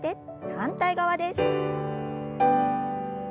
反対側です。